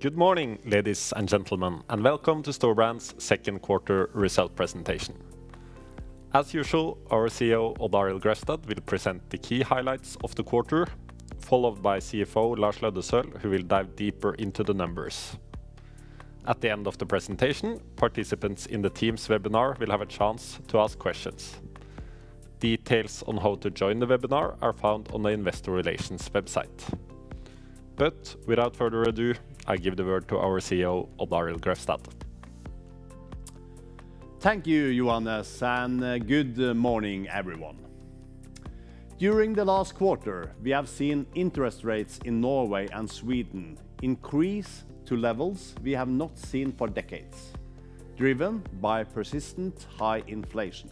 Good morning, ladies and gentlemen, welcome to Storebrand's Second Quarter Result Presentation. As usual, our CEO, Odd Arild Grefstad, will present the key highlights of the quarter, followed by CFO, Lars Løddesøl, who will dive deeper into the numbers. At the end of the presentation, participants in the team's webinar will have a chance to ask questions. Details on how to join the webinar are found on the investor relations website. Without further ado, I give the word to our CEO, Odd Arild Grefstad. Thank you, Johannes, and good morning, everyone. During the last quarter, we have seen interest rates in Norway and Sweden increase to levels we have not seen for decades, driven by persistent high inflation.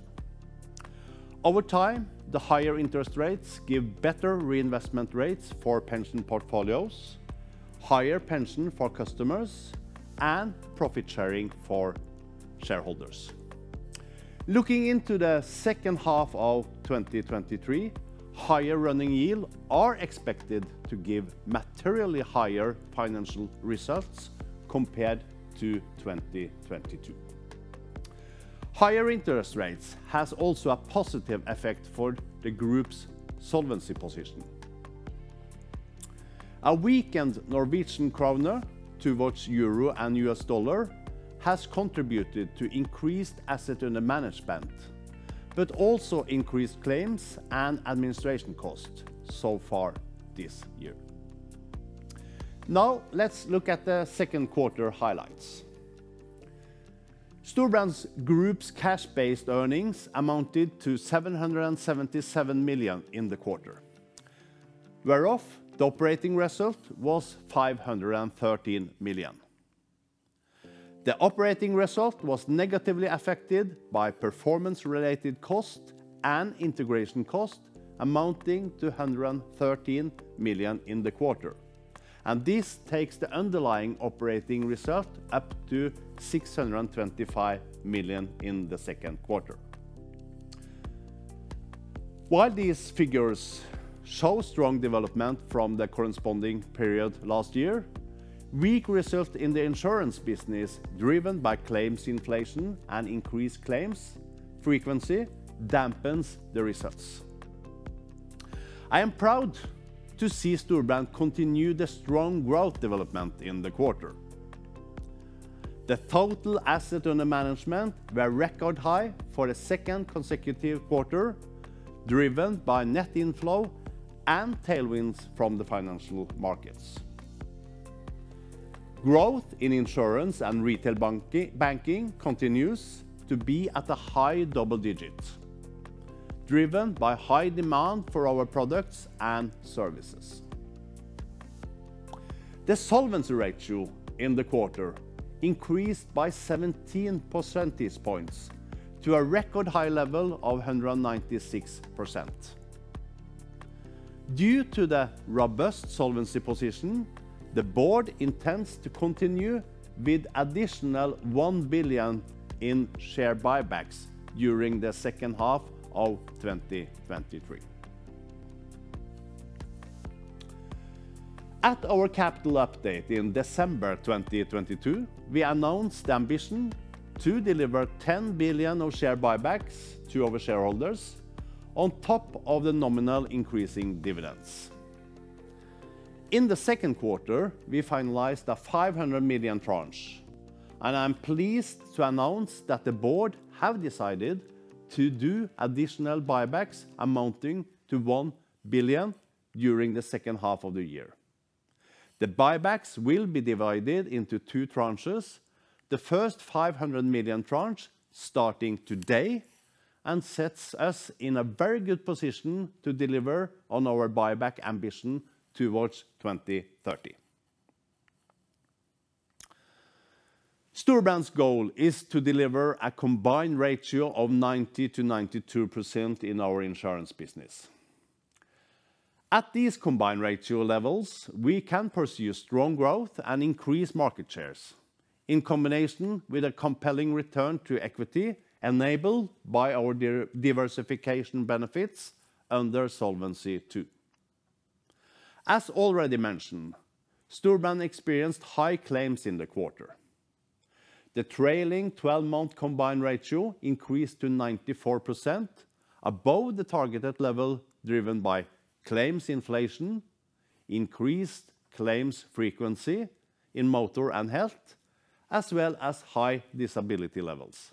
Over time, the higher interest rates give better reinvestment rates for pension portfolios, higher pension for customers, and profit sharing for shareholders. Looking into the second half of 2023, higher running yield are expected to give materially higher financial results compared to 2022. Higher interest rates has also a positive effect for the group's solvency position. A weakened Norwegian Kroner towards euro and US dollar has contributed to increased asset under management, but also increased claims and administration costs so far this year. Let's look at the second quarter highlights. Storebrand's group's cash-based earnings amounted to 777 million in the quarter, whereof the operating result was 513 million. The operating result was negatively affected by performance-related costs and integration costs, amounting to 113 million in the quarter, and this takes the underlying operating result up to 625 million in the second quarter. While these figures show strong development from the corresponding period last year, weak results in the insurance business, driven by claims inflation and increased claims frequency, dampens the results. I am proud to see Storebrand continue the strong growth development in the quarter. The total asset under management were record high for a second consecutive quarter, driven by net inflow and tailwinds from the financial markets. Growth in insurance and retail banking continues to be at a high double digit, driven by high demand for our products and services. The solvency ratio in the quarter increased by 17 percentage points to a record high level of 196%. Due to the robust solvency position, the board intends to continue with additional 1 billion in share buybacks during the second half of 2023. At our capital update in December 2022, we announced the ambition to deliver 10 billion of share buybacks to our shareholders on top of the nominal increasing dividends. In the second quarter, we finalized a 500 million tranche, and I am pleased to announce that the board have decided to do additional buybacks amounting to 1 billion during the second half of the year. The buybacks will be divided into two tranches, the first 500 million tranche starting today, sets us in a very good position to deliver on our buyback ambition towards 2030. Storebrand's goal is to deliver a combined ratio of 90%-92% in our insurance business. At these combined ratio levels, we can pursue strong growth and increase market shares in combination with a compelling return to equity, enabled by our diversification benefits under Solvency II. As already mentioned, Storebrand experienced high claims in the quarter. The trailing twelve-month combined ratio increased to 94%, above the targeted level, driven by claims inflation, increased claims frequency in motor and health, as well as high disability levels.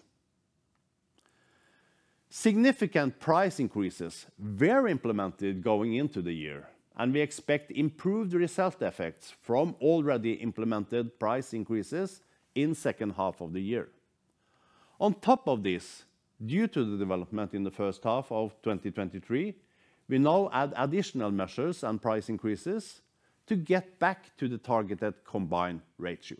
Significant price increases were implemented going into the year. We expect improved result effects from already implemented price increases in second half of the year. On top of this, due to the development in the first half of 2023, we now add additional measures and price increases to get back to the targeted combined ratio.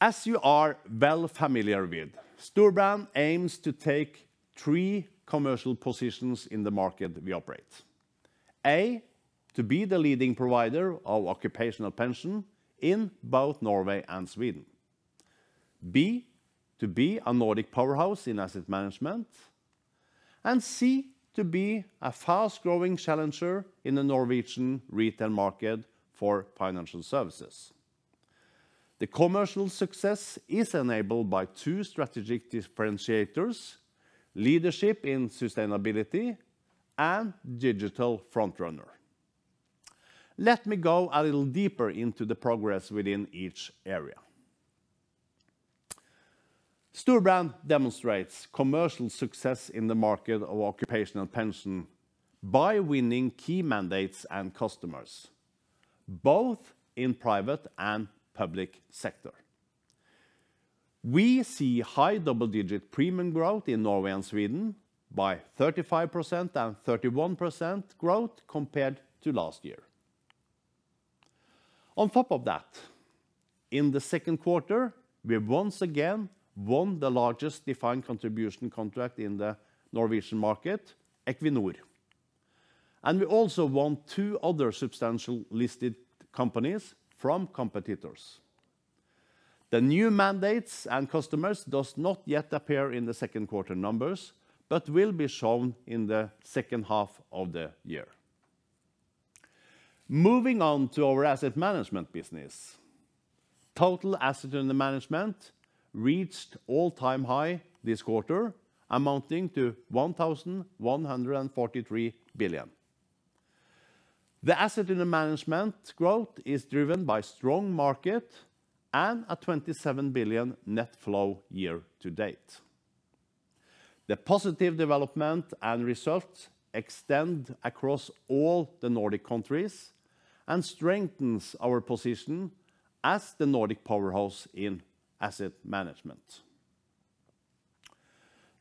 As you are well familiar with, Storebrand aims to take three commercial positions in the market we operate. A, to be the leading provider of occupational pension in both Norway and Sweden. B, to be a Nordic powerhouse in asset management and C, to be a fast growing challenger in the Norwegian retail market for financial services. The commercial success is enabled by two strategic differentiators, leadership in sustainability and digital front runner. Let me go a little deeper into the progress within each area. Storebrand demonstrates commercial success in the market of occupational pension by winning key mandates and customers, both in private and public sector. We see high double digit premium growth in Norway and Sweden by 35% and 31% growth compared to last year. On top of that, in the second quarter, we once again won the largest defined contribution contract in the Norwegian market, Equinor. We also won two other substantial listed companies from competitors. The new mandates and customers does not yet appear in the second quarter numbers, but will be shown in the second half of the year. Moving on to our asset management business. Total assets under management reached all time high this quarter, amounting to 1,143 billion. The asset under management growth is driven by strong market and a 27 billion net flow year to date. The positive development and results extend across all the Nordic countries, and strengthens our position as the Nordic powerhouse in asset management.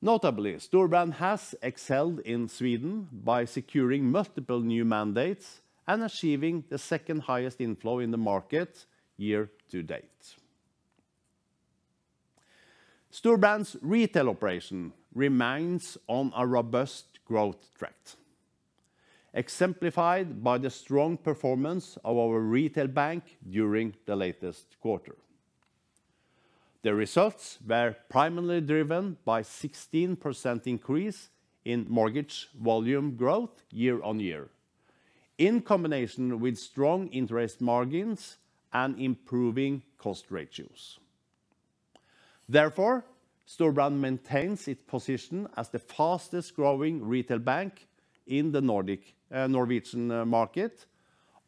Notably, Storebrand has excelled in Sweden by securing multiple new mandates and achieving the second highest inflow in the market year to date. Storebrand's retail operation remains on a robust growth track, exemplified by the strong performance of our retail bank during the latest quarter. The results were primarily driven by 16% increase in mortgage volume growth year-on-year, in combination with strong interest margins and improving cost ratios. Storebrand maintains its position as the fastest growing retail bank in the Nordic, Norwegian market,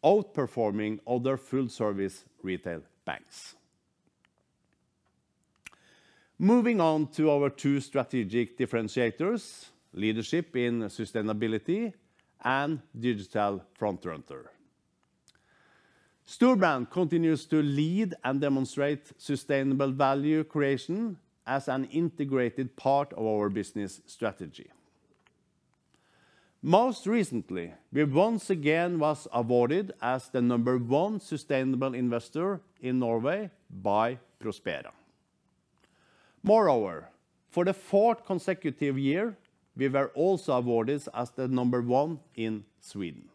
outperforming other full-service retail banks. Moving on to our two strategic differentiators, leadership in sustainability and digital frontrunner. Storebrand continues to lead and demonstrate sustainable value creation as an integrated part of our business strategy. Most recently, we once again was awarded as the number one sustainable investor in Norway by Prospera. For the fourth consecutive year, we were also awarded as the number one in Sweden.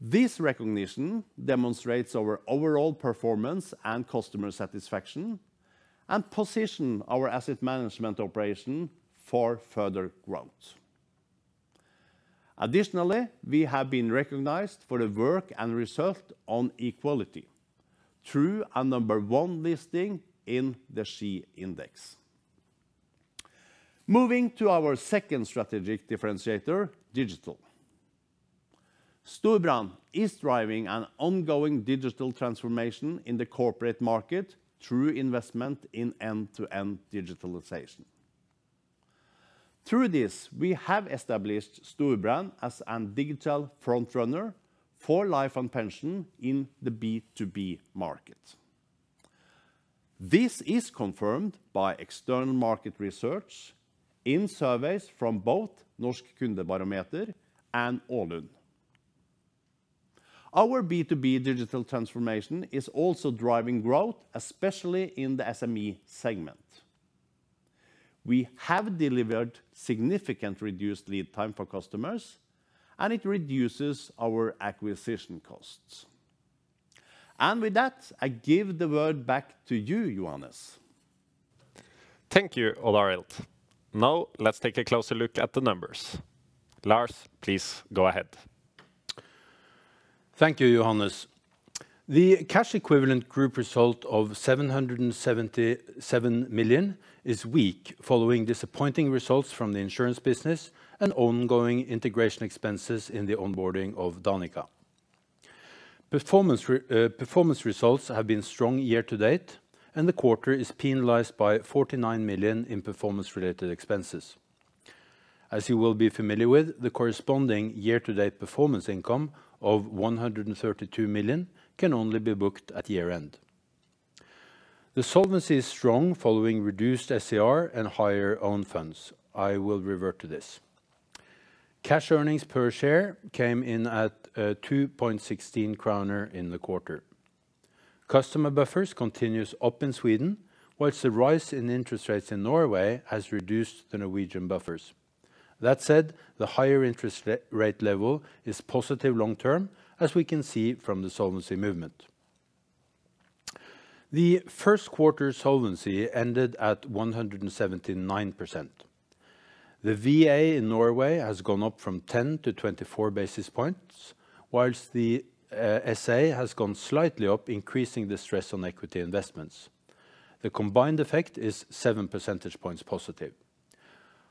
This recognition demonstrates our overall performance and customer satisfaction, and position our asset management operation for further growth. We have been recognized for the work and result on equality through a number one listing in the SHE Index. Moving to our second strategic differentiator, digital. Storebrand is driving an ongoing digital transformation in the corporate market through investment in end-to-end digitalization. Through this, we have established Storebrand as an digital front runner for life and pension in the B2B market. This is confirmed by external market research in surveys from both Norsk Kundebarometer and AALUND. Our B2B digital transformation is also driving growth, especially in the SME segment. We have delivered significant reduced lead time for customers, and it reduces our acquisition costs. With that, I give the word back to you, Johannes. Thank you, Odd Arild. Let's take a closer look at the numbers. Lars, please go ahead. Thank you, Johannes. The cash equivalent group result of 777 million is weak, following disappointing results from the insurance business and ongoing integration expenses in the onboarding of Danica. Performance results have been strong year to date. The quarter is penalized by 49 million in performance-related expenses. As you will be familiar with, the corresponding year to date performance income of 132 million can only be booked at year-end. The solvency is strong, following reduced SCR and higher own funds. I will revert to this. Cash earnings per share came in at 2.16 kroner in the quarter. Customer buffers continues up in Sweden, whilst the rise in interest rates in Norway has reduced the Norwegian buffers. That said, the higher interest rate level is positive long term, as we can see from the solvency movement. The first quarter solvency ended at 179%. The VA in Norway has gone up from 10 basis points to 24 basis points, whilst the SA has gone slightly up, increasing the stress on equity investments. The combined effect is 7 percentage points positive.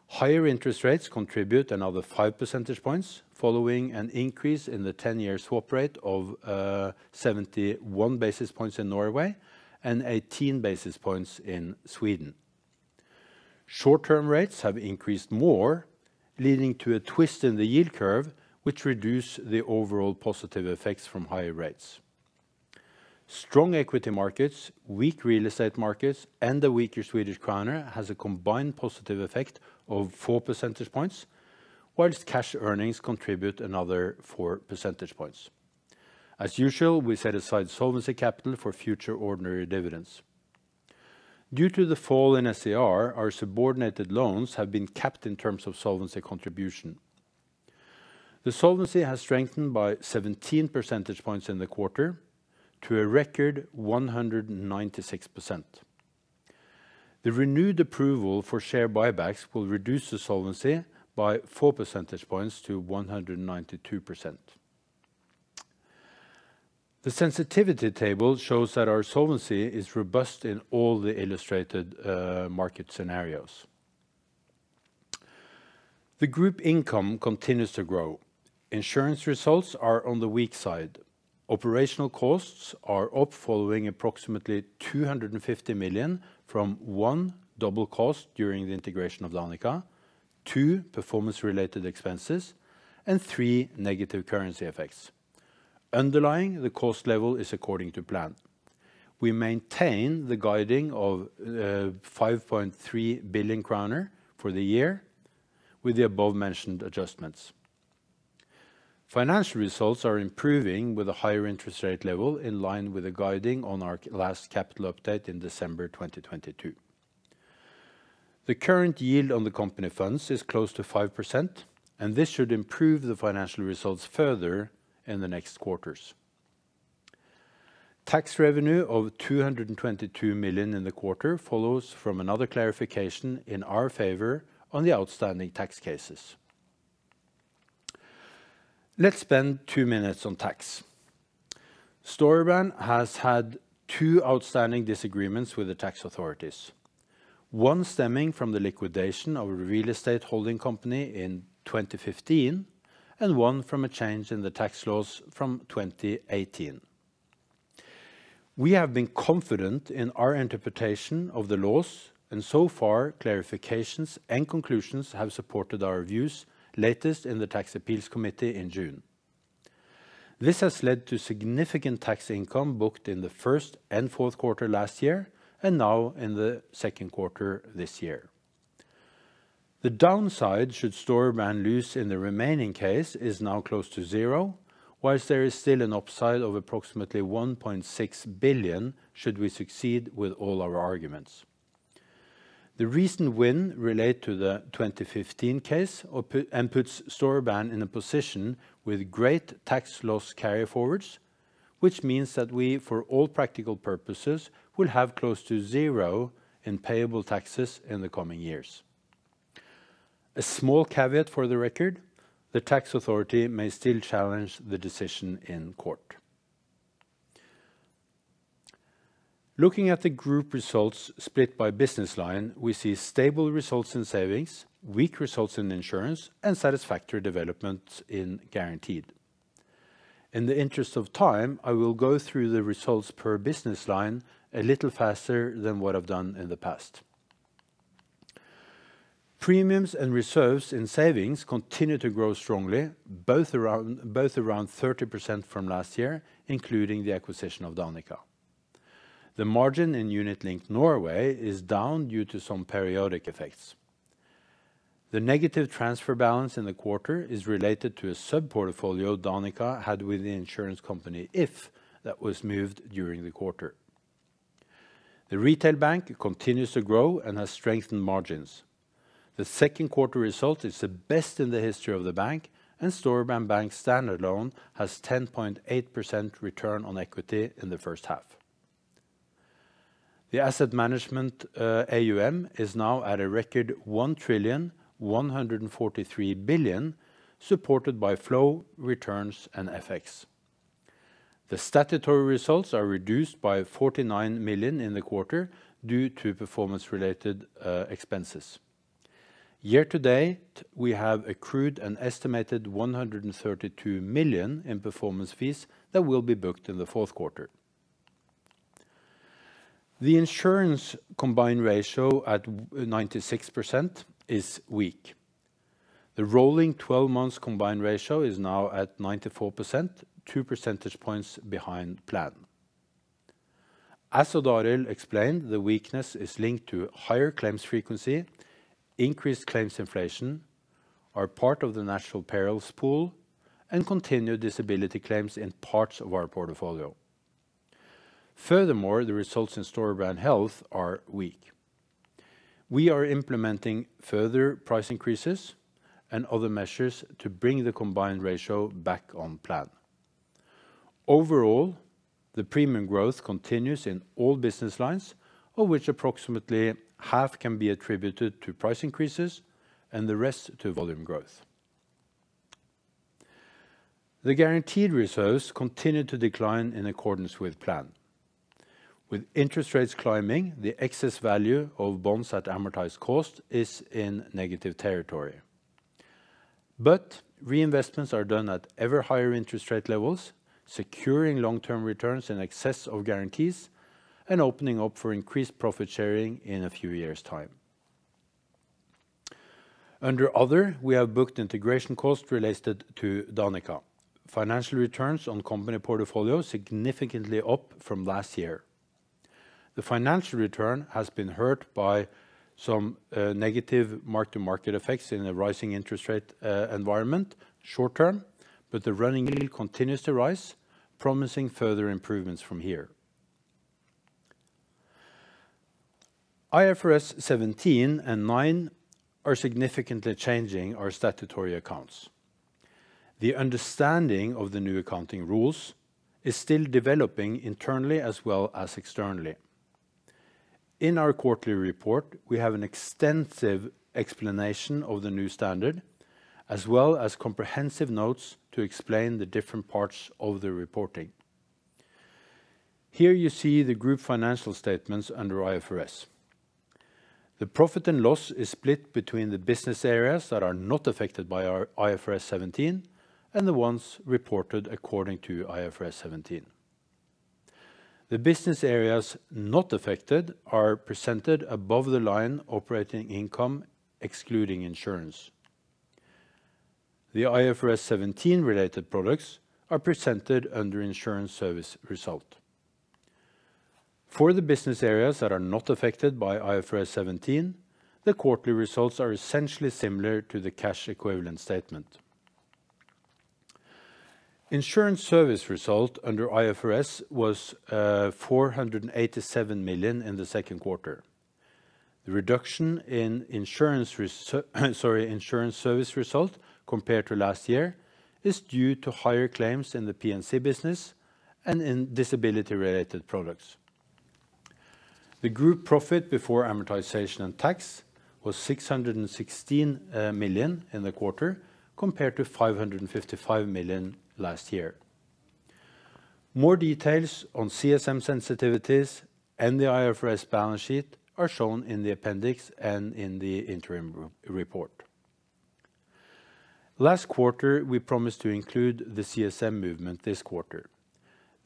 Higher interest rates contribute another 5 percentage points, following an increase in the 10-year swap rate of 71 basis points in Norway and 18 basis points in Sweden. Short-term rates have increased more, leading to a twist in the yield curve, which reduce the overall positive effects from higher rates. Strong equity markets, weak real estate markets, and the weaker Swedish Krona has a combined positive effect of 4 percentage points, whilst cash earnings contribute another 4 percentage points. As usual, we set aside solvency capital for future ordinary dividends. Due to the fall in SCR, our subordinated loans have been capped in terms of solvency contribution. The solvency has strengthened by 17 percentage points in the quarter to a record 196%. The renewed approval for share buybacks will reduce the solvency by 4 percentage points to 192%. The sensitivity table shows that our solvency is robust in all the illustrated market scenarios. The group income continues to grow. Insurance results are on the weak side. Operational costs are up following approximately 250 million from, one, double cost during the integration of Danica, two, performance-related expenses, and three, negative currency effects. Underlying the cost level is according to plan. We maintain the guiding of 5.3 billion kroner for the year with the above mentioned adjustments. Financial results are improving with a higher interest rate level, in line with the guiding on our last capital update in December 2022. The current yield on the company funds is close to 5%, and this should improve the financial results further in the next quarters. Tax revenue of 222 million in the quarter follows from another clarification in our favor on the outstanding tax cases. Let's spend two minutes on tax. Storebrand has had two outstanding disagreements with the tax authorities, one stemming from the liquidation of a real estate holding company in 2015, and one from a change in the tax laws from 2018. We have been confident in our interpretation of the laws, and so far, clarifications and conclusions have supported our views, latest in the Tax Appeals Committee in June. This has led to significant tax income booked in the first and fourth quarter last year, and now in the second quarter this year. The downside should Storebrand lose in the remaining case, is now close to zero, whilst there is still an upside of approximately 1.6 billion, should we succeed with all our arguments. The recent win relate to the 2015 case, and puts Storebrand in a position with great tax loss carryforwards, which means that we, for all practical purposes, will have close to zero in payable taxes in the coming years. A small caveat for the record, the tax authority may still challenge the decision in court. Looking at the group results split by business line, we see stable results in savings, weak results in insurance, satisfactory development in guaranteed. In the interest of time, I will go through the results per business line a little faster than what I've done in the past. Premiums and reserves in savings continue to grow strongly, both around 30% from last year, including the acquisition of Danica. The margin in Unit Linked Norway is down due to some periodic effects. The negative transfer balance in the quarter is related to a sub-portfolio Danica had with the insurance company, if that was moved during the quarter. The retail bank continues to grow and has strengthened margins. The second quarter result is the best in the history of the bank. Storebrand Bank standard loan has 10.8% return on equity in the first half. The Asset Management AUM is now at a record 1,143 billion, supported by flow, returns, and FX. The statutory results are reduced by 49 million in the quarter due to performance-related expenses. Year to date, we have accrued an estimated 132 million in performance fees that will be booked in the fourth quarter. The insurance combined ratio at 96% is weak. The rolling 12 months combined ratio is now at 94%, 2 percentage points behind plan. As Odd Arild explained, the weakness is linked to higher claims frequency, increased claims inflation, are part of the national perils pool, and continued disability claims in parts of our portfolio. The results in Storebrand Health are weak. We are implementing further price increases and other measures to bring the combined ratio back on plan. Overall, the premium growth continues in all business lines, of which approximately half can be attributed to price increases and the rest to volume growth. The guaranteed reserves continued to decline in accordance with plan. With interest rates climbing, the excess value of bonds at amortized cost is in negative territory, but reinvestments are done at ever higher interest-rate levels, securing long-term returns in excess of guarantees and opening up for increased profit sharing in a few years time. Under other, we have booked integration costs related to Danica. Financial returns on company portfolio significantly up from last year. The financial return has been hurt by some negative mark-to-market effects in a rising interest-rate environment short term, but the running yield continues to rise, promising further improvements from here. IFRS 17 and 9 are significantly changing our statutory accounts. The understanding of the new accounting rules is still developing internally as well as externally. In our quarterly report, we have an extensive explanation of the new standard, as well as comprehensive notes to explain the different parts of the reporting. Here you see the group financial statements under IFRS. The profit and loss is split between the business areas that are not affected by our IFRS 17 and the ones reported according to IFRS 17. The business areas not affected are presented above the line operating income, excluding insurance. The IFRS 17-related products are presented under insurance service result. For the business areas that are not affected by IFRS 17, the quarterly results are essentially similar to the cash equivalent statement. Insurance service result under IFRS was 487 million in the second quarter. The reduction in insurance service result compared to last year, is due to higher claims in the P&C business and in disability-related products. The group profit before amortization and tax was 616 million in the quarter, compared to 555 million last year. More details on CSM sensitivities and the IFRS balance sheet are shown in the appendix and in the interim report. Last quarter, we promised to include the CSM movement this quarter.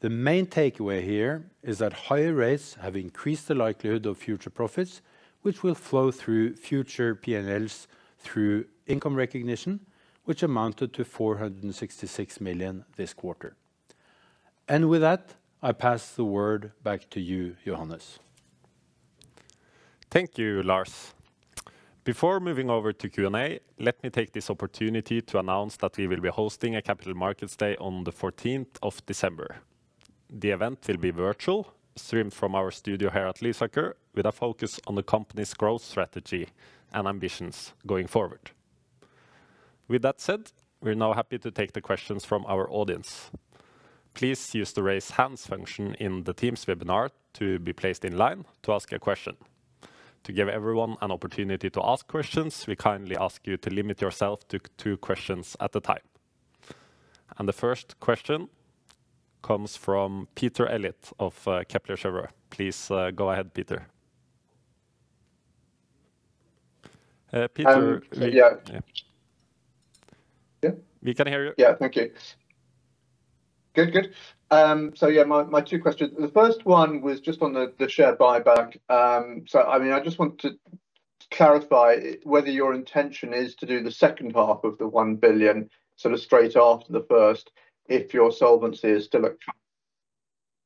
The main takeaway here is that higher rates have increased the likelihood of future profits, which will flow through future P&Ls through income recognition, which amounted to 466 million this quarter. With that, I pass the word back to you, Johannes. Thank you, Lars. Before moving over to Q&A, let me take this opportunity to announce that we will be hosting a Capital Markets Day on the 14th of December. The event will be virtual, streamed from our studio here at Lysaker, with a focus on the company's growth strategy and ambitions going forward. With that said, we're now happy to take the questions from our audience. Please use the Raise Hands function in the Teams webinar to be placed in line to ask a question. To give everyone an opportunity to ask questions, we kindly ask you to limit yourself to two questions at a time. The first question comes from Peter Eliot of Kepler Cheuvreux. Please go ahead, Peter. Peter? Yeah. Yeah. We can hear you. Yeah. Thank you. Good, good. My two questions. The first one was just on the share buyback. I mean, I just want to clarify whether your intention is to do the second half of the 1 billion, sort of straight after the first, if your solvency is still?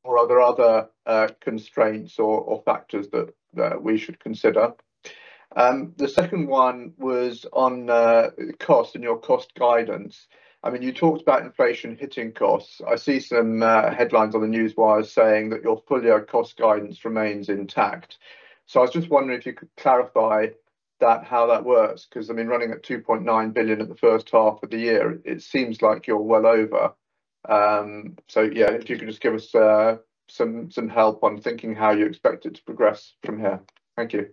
Are there other constraints or factors that we should consider? The second one was on cost and your cost guidance. I mean, you talked about inflation hitting costs. I see some headlines on the news wire saying that your full year cost guidance remains intact. I was just wondering if you could clarify that, how that works, because, I mean, running at 2.9 billion in the first half of the year, it seems like you're well over. Yeah, if you can just give us some help on thinking how you expect it to progress from here. Thank you.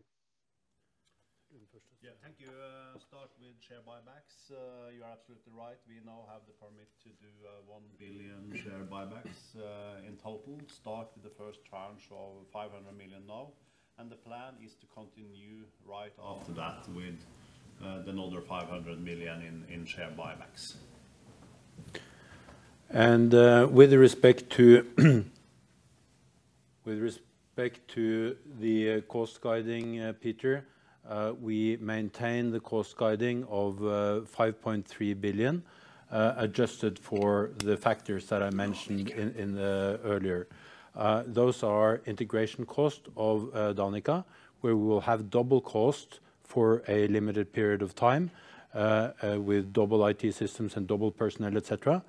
You can push this. Yeah. Thank you. Start with share buybacks. You are absolutely right. We now have the permit to do 1 billion share buybacks in total. Start with the first tranche of 500 million now. The plan is to continue right after that with another 500 million in share buybacks. With respect to the cost guiding, Peter, we maintain the cost guiding of 5.3 billion adjusted for the factors that I mentioned in the earlier. Those are integration cost of Danica, where we will have double cost for a limited period of time with double IT systems and double personnel, et cetera.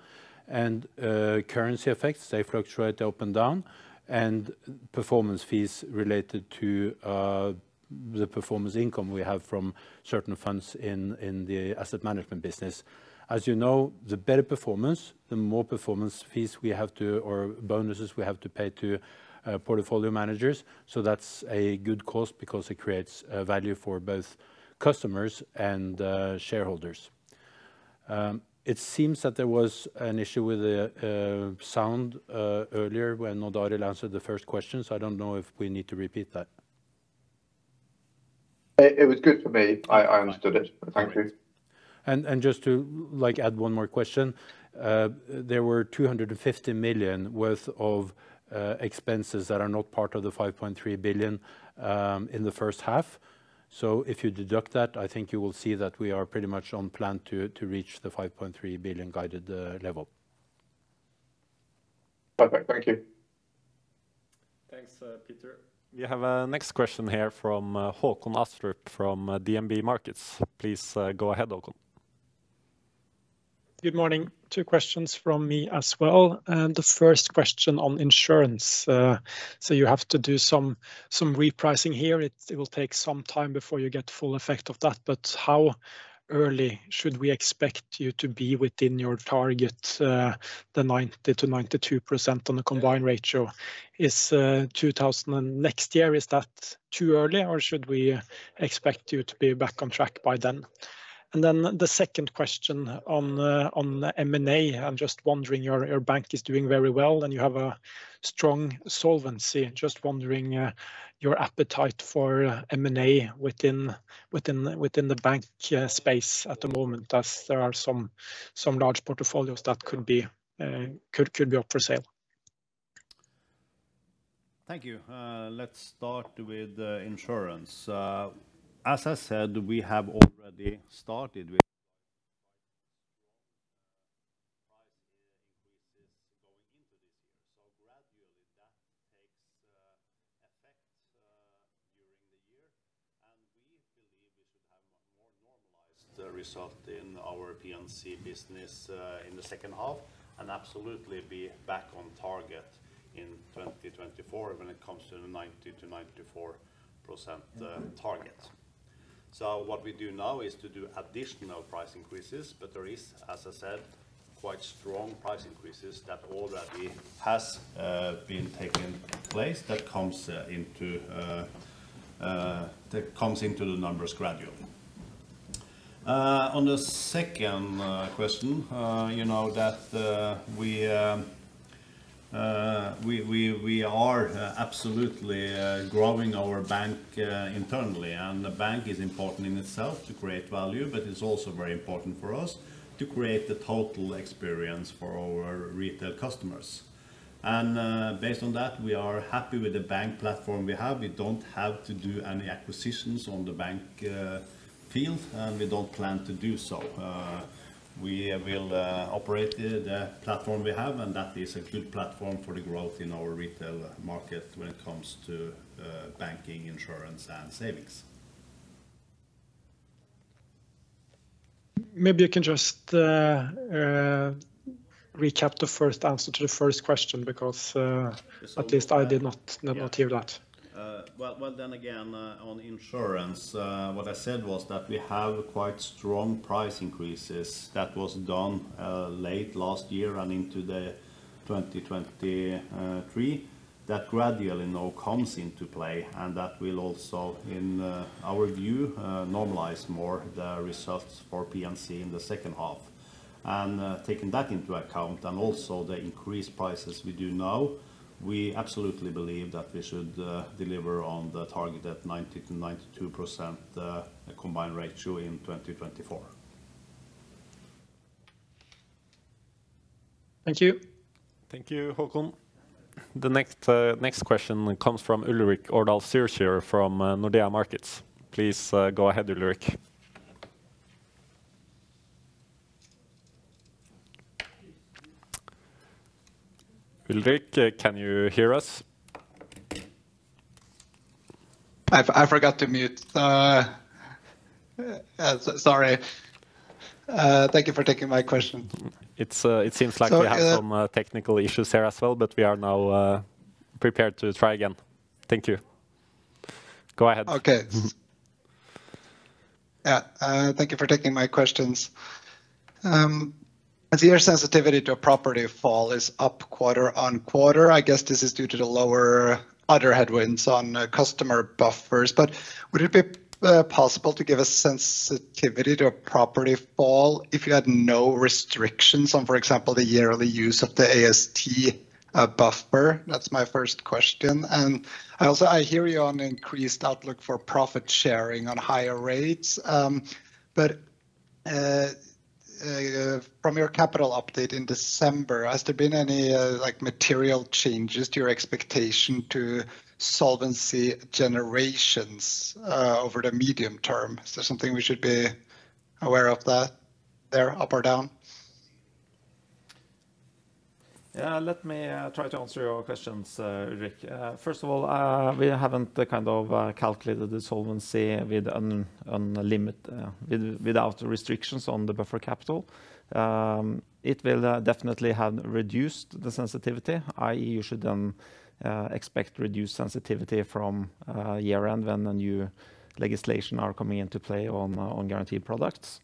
Currency effects, they fluctuate up and down, and performance fees related to the performance income we have from certain funds in the asset management business. As you know, the better performance, the more performance fees we have to, or bonuses we have to pay to portfolio managers. That's a good cost because it creates value for both customers and shareholders. It seems that there was an issue with the sound earlier when Odd Arild answered the first question. I don't know if we need to repeat that. It was good for me. I understood it. Thank you. Just to, like, add one more question, there were 250 million worth of expenses that are not part of the 5.3 billion in the first half. If you deduct that, I think you will see that we are pretty much on plan to reach the 5.3 billion guided level. Bye-bye. Thank you. Thanks, Peter. We have our next question here from Håkon Astrup from DNB Markets. Please, go ahead, Håkon. Good morning. Two questions from me as well. The first question on insurance. You have to do some repricing here. It will take some time before you get full effect of that, but how early should we expect you to be within your target, the 90%-92% on the combined ratio? Is 2000 and next year, is that too early, or should we expect you to be back on track by then? The second question on the M&A. I'm just wondering, your bank is doing very well, and you have a strong solvency. Just wondering, your appetite for M&A within the bank space at the moment, as there are some large portfolios that could be up for sale? Thank you. Let's start with the insurance. As I said, we have already started with price increases going into this year. Gradually, that takes effect during the year, and we believe we should have more normalized result in our P&C business in the second half, and absolutely be back on target in 2024 when it comes to the 90%-94% target. What we do now is to do additional price increases, but there is, as I said, quite strong price increases that already has been taking place that comes into the numbers gradually. On the second question, you know, that we are absolutely growing our bank internally, and the bank is important in itself to create value, but it's also very important for us to create the total experience for our retail customers. Based on that, we are happy with the bank platform we have. We don't have to do any acquisitions on the bank field, we don't plan to do so. We will operate the platform we have, and that is a good platform for the growth in our retail market when it comes to banking, insurance, and savings. Maybe you can just recap the first answer to the first question, because at least I did not hear that. Well, then again, on insurance, what I said was that we have quite strong price increases that was done late last year and into 2023. That gradually now comes into play, and that will also, in our view, normalize more the results for P&C in the second half. Taking that into account, and also the increased prices we do now, we absolutely believe that we should deliver on the target at 90%-92% combined ratio in 2024. Thank you. Thank you, Håkon. The next question comes from Ulrik Årdal Zürcher from, Nordea Markets. Please, go ahead, Ulrik. Ulrik, can you hear us? I forgot to mute. sorry. Thank you for taking my question. It's seems like we have some technical issues there as well, but we are now prepared to try again. Thank you. Go ahead. Okay. Thank you for taking my questions. As your sensitivity to a property fall is up quarter-on-quarter, I guess this is due to the lower other headwinds on customer buffers, but would it be possible to give a sensitivity to a property fall if you had no restrictions on, for example, the yearly use of the AST buffer? That's my first question. Also, I hear you on increased outlook for profit sharing on higher rates, but from your capital update in December, has there been any like material changes to your expectation to solvency generations over the medium term? Is there something we should be aware of that they're up or down? Let me try to answer your questions, Rick. First of all, we haven't kind of calculated the solvency on a limit, without restrictions on the buffer capital. It will definitely have reduced the sensitivity, i.e., you should then expect reduced sensitivity from year-end when the new legislation are coming into play on guaranteed products.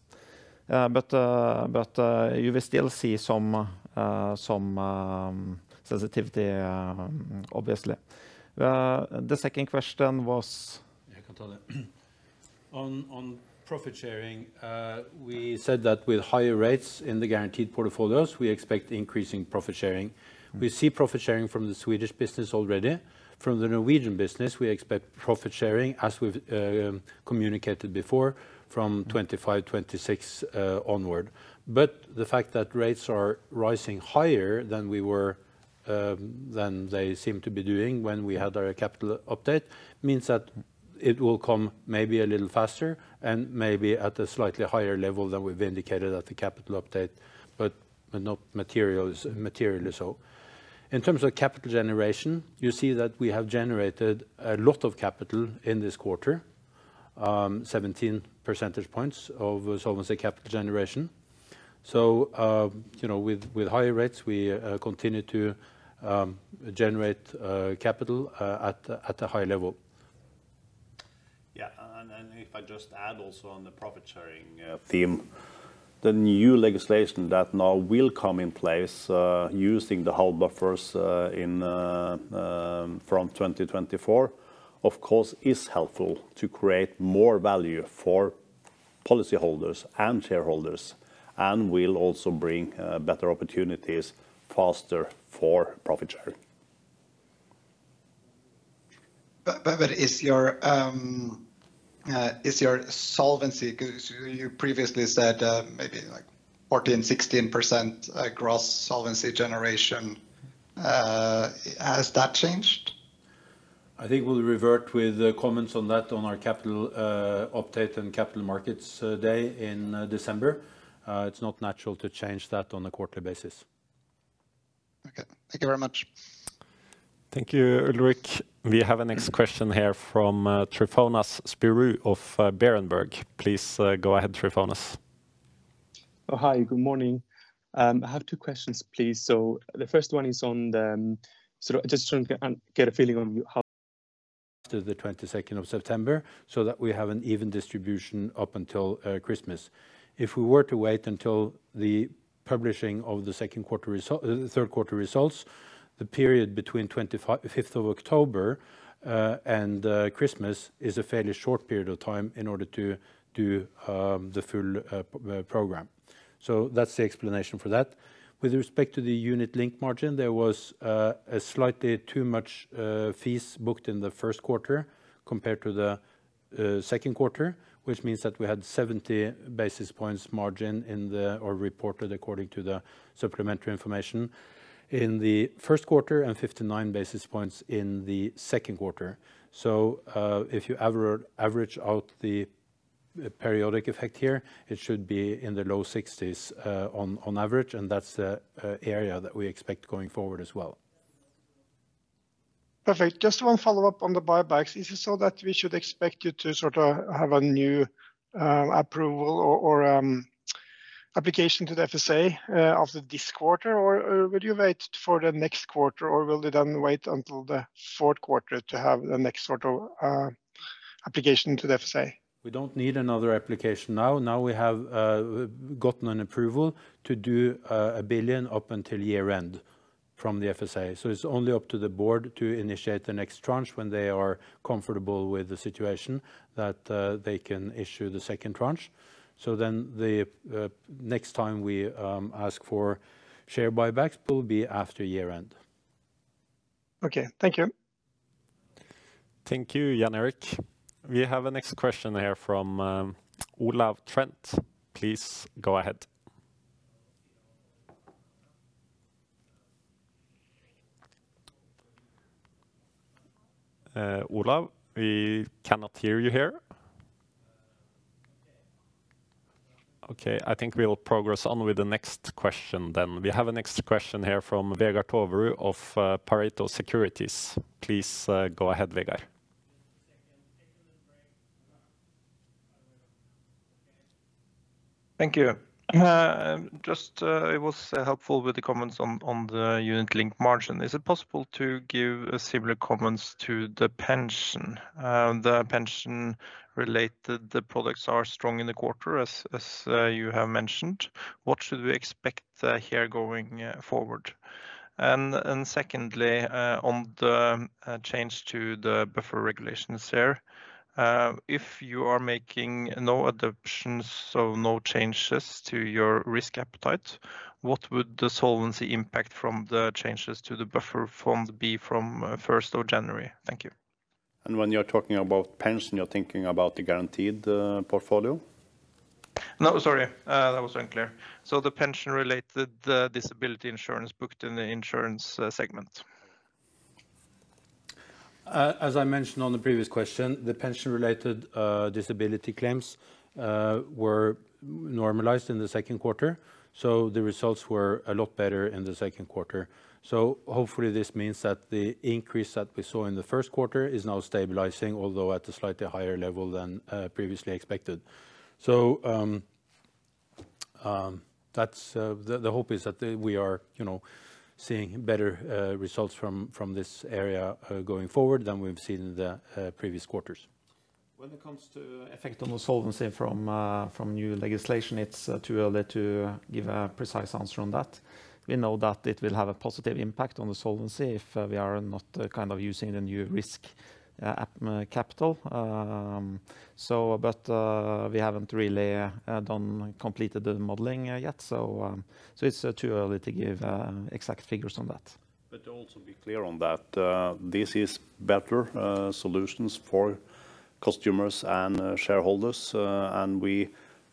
You will still see some sensitivity, obviously. The second question was? Yeah, I can tell it. On profit sharing, we said that with higher rates in the guaranteed portfolios, we expect increasing profit sharing. We see profit sharing from the Swedish business already. From the Norwegian business, we expect profit sharing, as we've communicated before, from 2025, 2026 onward. The fact that rates are rising higher than we were than they seemed to be doing when we had our capital update, means that it will come maybe a little faster and maybe at a slightly higher level than we've indicated at the capital update, but not materially so. In terms of capital generation, you see that we have generated a lot of capital in this quarter, 17 percentage points of solvency capital generation. You know, with higher rates, we continue to generate capital at a high level. Yeah, and if I just add also on the profit sharing theme, the new legislation that now will come in place, using the whole buffers in from 2024, of course, is helpful to create more value for policy holders and shareholders, and will also bring better opportunities faster for profit sharing. Is your solvency, 'cause you previously said, maybe like 14%-16% across solvency generation. Has that changed? I think we'll revert with comments on that on our capital, update and Capital Markets Day in December. It's not natural to change that on a quarterly basis. Okay. Thank you very much. Thank you, Ulrich. We have a next question here from Tryfonas Spyrou of Berenberg. Please go ahead, Tryfonas. Hi, good morning. I have two questions, please. Just to get a feeling on how after the 22nd of September, so that we have an even distribution up until Christmas. If we were to wait until the publishing of the second quarter result, the third quarter results, the period between 25th of October and Christmas is a fairly short period of time in order to do the full program. That's the explanation for that. With respect to the Unit Linked margin, there was a slightly too much fees booked in the first quarter compared to the second quarter, which means that we had 70 basis points margin in the, or reported according to the supplementary information in the first quarter and 59 basis points in the second quarter. If you average out the periodic effect here, it should be in the low sixties, on average, and that's the area that we expect going forward as well. Perfect. Just one follow-up on the buybacks. Is it so that we should expect you to sort of have a new approval or application to the FSA of this quarter, or will you wait for the next quarter, or will you then wait until the fourth quarter to have the next sort of application to the FSA? We don't need another application now. Now we have gotten an approval to do 1 billion up until year-end from the FSA. It's only up to the board to initiate the next tranche when they are comfortable with the situation, that they can issue the second tranche. The next time we ask for share buybacks will be after year-end. Okay. Thank you. Thank you, Jan Erik. We have a next question here from Olav Trent. Please go ahead. Olav, we cannot hear you here. I think we will progress on with the next question then. We have a next question here from Vegard Toverud of Pareto Securities. Please, go ahead, Vegard. Thank you. Yes. Just, it was helpful with the comments on the Unit Linked margin. Is it possible to give a similar comments to the pension? The pension-related products are strong in the quarter, as you have mentioned. What should we expect here going forward? Secondly, on the change to the buffer regulations there, if you are making no adaptations, so no changes to your risk appetite, what would the solvency impact from the changes to the buffer fund be from first of January? Thank you. When you're talking about pension, you're thinking about the guaranteed portfolio? Sorry, that was unclear. The pension-related, disability insurance booked in the insurance, segment. As I mentioned on the previous question, the pension-related disability claims were normalized in the second quarter. The results were a lot better in the second quarter. Hopefully, this means that the increase that we saw in the first quarter is now stabilizing, although at a slightly higher level than previously expected. The hope is that we are, you know, seeing better results from this area going forward than we've seen in the previous quarters. When it comes to effect on the solvency from new legislation, it's too early to give a precise answer on that. We know that it will have a positive impact on the solvency if we are not kind of using the new risk capital. We haven't really completed the modeling yet, so it's too early to give exact figures on that. To also be clear on that, this is better solutions for customers and shareholders, and we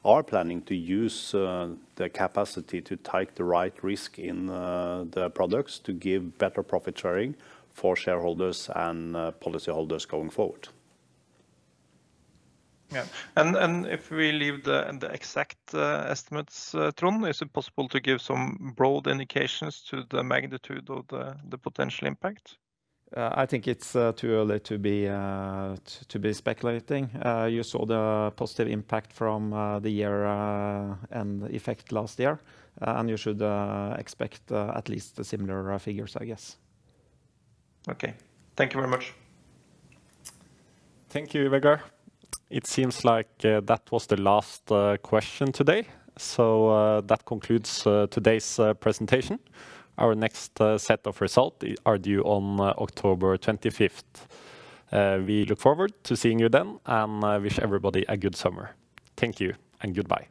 are planning to use the capacity to take the right risk in the products to give better profit sharing for shareholders and policyholders going forward. Yeah. If we leave the exact, estimates, Trond, is it possible to give some broad indications to the magnitude of the potential impact? I think it's too early to be speculating. You saw the positive impact from the year and the effect last year and you should expect at least the similar figures, I guess. Okay. Thank you very much. Thank you, Vegard. It seems like that was the last question today. That concludes today's presentation. Our next set of result are due on October 25th. We look forward to seeing you then. I wish everybody a good summer. Thank you, and goodbye!